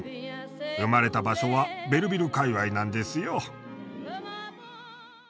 生まれた場所はベルヴィル界わいなんですよ。